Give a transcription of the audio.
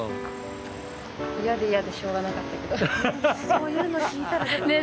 そういうの聞いたらね。